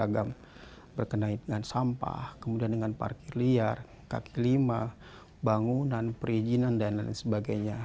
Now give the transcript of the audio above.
jadi agam berkenaan dengan sampah kemudian dengan parkir liar kaki lima bangunan perizinan dan lain sebagainya